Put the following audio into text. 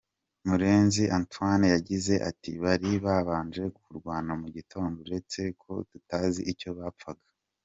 Murenzi Antoine yagize ati “Bari babanje kurwana mu gitondo uretse ko tutazi icyo bapfaga.